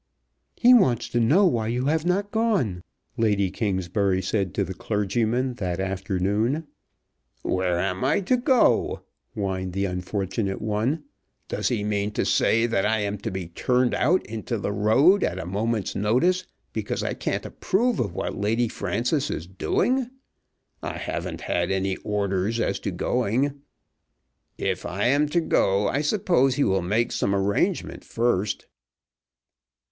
"He wants to know why you have not gone," Lady Kingsbury said to the clergyman that afternoon. "Where am I to go to?" whined the unfortunate one. "Does he mean to say that I am to be turned out into the road at a moment's notice because I can't approve of what Lady Frances is doing? I haven't had any orders as to going. If I am to go I suppose he will make some arrangement first."